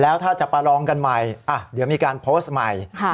แล้วถ้าจะประลองกันใหม่เดี๋ยวมีการโพสต์ใหม่